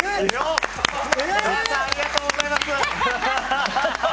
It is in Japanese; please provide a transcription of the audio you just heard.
ありがとうございます！